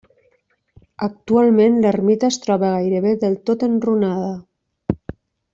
Actualment l'ermita es troba gairebé del tot enrunada.